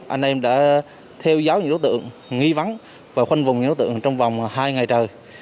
anh em đã theo dõi những đối tượng nghi vắng và khoanh vùng những đối tượng trong vòng hai ngày trời